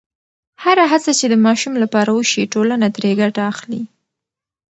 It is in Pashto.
هره هڅه چې د ماشوم لپاره وشي، ټولنه ترې ګټه اخلي.